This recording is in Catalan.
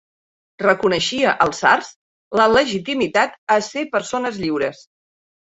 Reconeixia als sards la legitimitat a ser persones lliures.